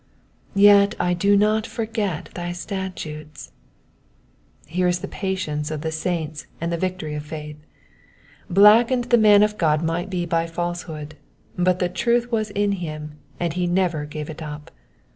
"Fci do I not forget thy statute^,'*'* Here is the patience of the saints and the victory of faith. Blackened the man of God might be by falsehood, but the truth was in him, and he never gave it up.